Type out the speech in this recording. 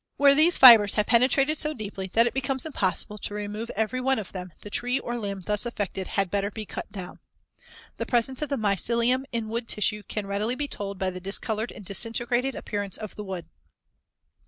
Where these fibers have penetrated so deeply that it becomes impossible to remove every one of them, the tree or limb thus affected had better be cut down. (Fig. 118.) The presence of the mycelium in wood tissue can readily be told by the discolored and disintegrated appearance of the wood.